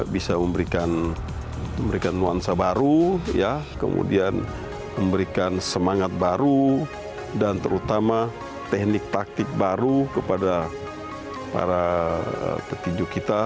bisa memberikan nuansa baru ya kemudian memberikan semangat baru dan terutama teknik taktik baru kepada para petinju kita